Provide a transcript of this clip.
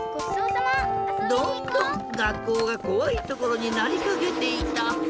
どんどんがっこうがこわいところになりかけていた。